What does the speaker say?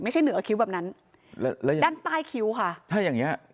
เหนือคิ้วแบบนั้นแล้วระยะด้านใต้คิ้วค่ะถ้าอย่างเงี้ย